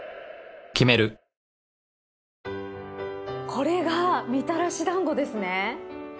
これがみたらし団子ですね。